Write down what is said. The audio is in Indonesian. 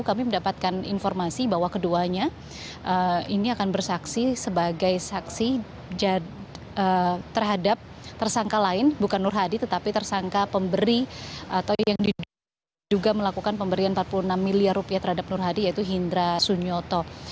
kami mendapatkan informasi bahwa keduanya ini akan bersaksi sebagai saksi terhadap tersangka lain bukan nur hadi tetapi tersangka pemberi atau yang diduga melakukan pemberian empat puluh enam miliar rupiah terhadap nur hadi yaitu hindra sunyoto